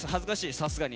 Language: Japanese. さすがに。